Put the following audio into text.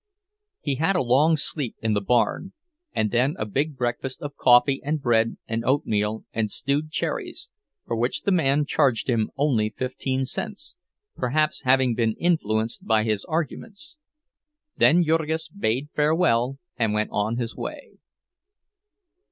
He had a long sleep in the barn and then a big breakfast of coffee and bread and oatmeal and stewed cherries, for which the man charged him only fifteen cents, perhaps having been influenced by his arguments. Then Jurgis bade farewell, and went on his way.